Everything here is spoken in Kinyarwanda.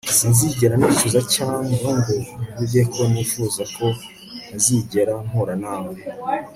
sinzigera nicuza cyangwa ngo mvuge ko nifuza ko ntazigera mpura nawe